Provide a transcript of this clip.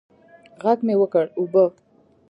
ږغ مې وکړ اوبه.